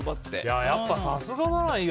やっぱさすがだな。